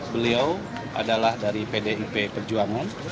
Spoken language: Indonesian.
beliau adalah dari pdip perjuangan